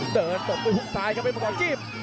เดินตลกไปคุมท้ายครับเพชรมังกรจิ้ม